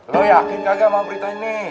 lo yakin kaget sama berita ini